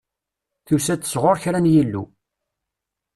Tusa-d sɣur kra n yillu.